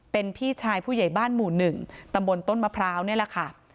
เป็นพี่ชายผู้ใหญ่บ้านหมู่๑ตำบลต้นมะพร้าวนี่แหละค่ะ